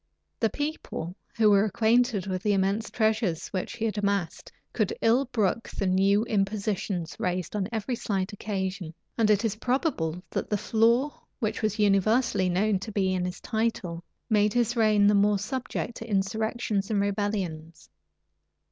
The people, who were acquainted with the immense treasures which he had amassed, could ill brook the new impositions raised on every slight occasion; and it is probable that the flaw which was universally known to be in his title, made his reign the more subject to insurrections and rebellions.